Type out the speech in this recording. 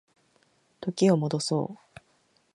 時を戻そう